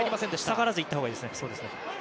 下がらず行ったほうがいいですね。